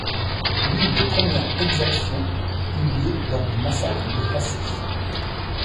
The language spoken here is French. L'une des premières exactions eut lieu lors du massacre de Wassy.